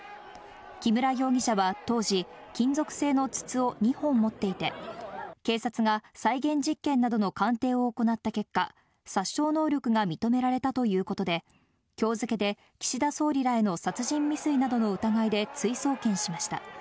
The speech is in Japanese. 木村容疑者は当時、金属製の筒を２本持っていて、警察が再現実験などの鑑定を行った結果、殺傷能力が認められたということで、きょう付けで岸田総理らへの殺人未遂などの疑いで追送検しました。